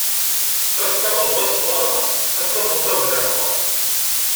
Ad t-taɣeḍ d asḍaḍ, ad t-tafeḍ d ablaḍ.